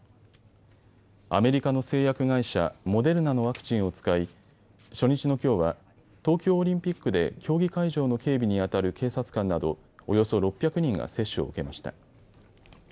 アメリカの製薬会社、モデルナのワクチンを使い初日のきょうは東京オリンピックで競技会場の警備にあたる警察官などおよそ６００人が接種を受けました。